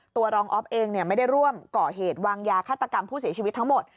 รองออฟเองไม่ได้ร่วมก่อเหตุวางยาฆาตกรรมผู้เสียชีวิตทั้งหมด